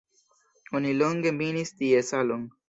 Oni longe minis tie salon.